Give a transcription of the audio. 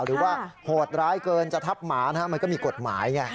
หรือว่าโหดร้ายเกินจะทับหมามันก็มีกฎหมายไง